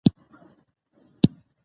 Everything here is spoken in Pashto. عبارت د کلمو یو تړلې ټولګه ده.